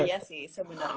itu iya sih sebenernya